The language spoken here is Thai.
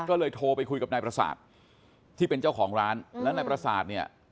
ก็เลยโทรไปคุยกับนายประสาทที่เป็นเจ้าของร้านแล้วนายประสาทเนี่ย